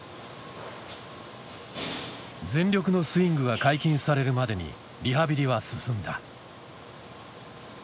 全力のスイングが解禁されるまでにリハビリは進んだ。